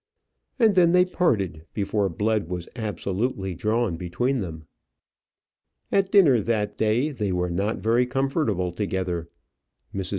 And then they parted, before blood was absolutely drawn between them. At dinner that day they were not very comfortable together. Mrs.